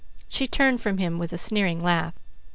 She turned from him with a sneering laugh.